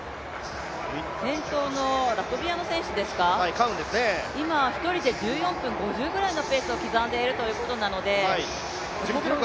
先頭のラトビアの選手ですか、今１人で１４分５０くらいのペースを刻んでいるということなので。